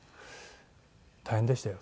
大変でしたよ